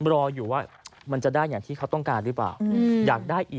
รออยู่ว่ามันจะได้อย่างที่เค้าต้องการหรือเปล่า